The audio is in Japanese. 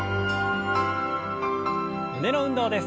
胸の運動です。